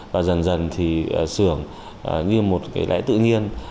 và dần dần thì xưởng như một cái lẽ tự nhiên